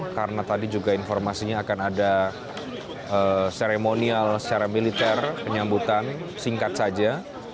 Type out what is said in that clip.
karena tadi juga informasinya akan ada seremonial secara militer penyambutan singkat saja